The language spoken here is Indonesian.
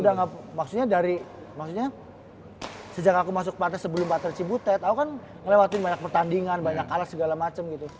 udah gak pernah maksudnya dari maksudnya sejak aku masuk ke platas sebelum pak tjibutet aku kan ngelewatin banyak pertandingan banyak kalas segala macem gitu